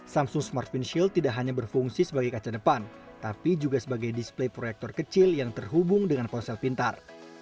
samsung smart vince shield tidak hanya berfungsi sebagai kaca depan tapi juga sebagai display proyektor kecil yang terhubung dengan ponsel pintar